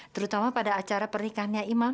terutama pada acara pernikahannya imam